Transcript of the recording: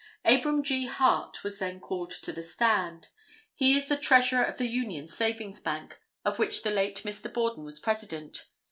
Abram G. Hart was then called to the stand. He is the Treasurer of the Union Savings Bank, of which the late Mr. Borden was President.